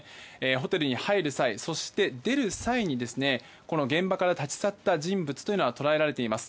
ホテルに入る際そして、出る際に現場から立ち去った人物は捉えられています。